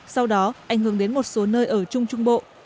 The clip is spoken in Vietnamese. sau đó ảnh hưởng đến một số nơi ở trung trung bộ